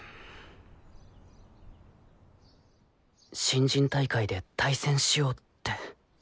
新人大会で対戦しようって。